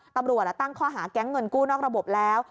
ตำรวจตั้งข้อหาแก๊งเงินกู้นอกระบบแล้ว